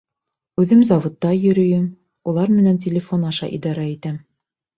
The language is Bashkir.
Үҙем заводта йөрөйөм, улар менән телефон аша идара итәм.